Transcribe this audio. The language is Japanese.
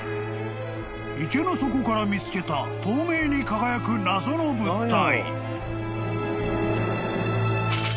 ［池の底から見つけた透明に輝く謎の物体］